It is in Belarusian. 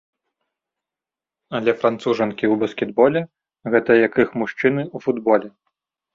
Але францужанкі ў баскетболе, гэта як іх мужчыны ў футболе.